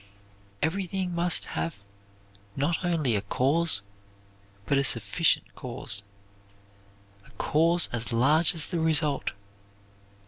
Everything must have not only a cause, but a sufficient cause a cause as large as the result.